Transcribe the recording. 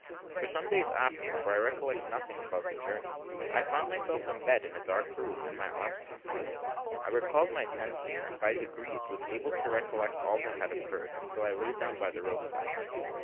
For some days afterwards, for I recollect nothing about the journey, I found myself in bed in a dark room, and my arms confined. I recalled my senses, and by degrees was able to recollect all that had occurred, until I laid down by the roadside.